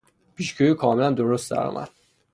پیشگویی او کاملا درست درآمد!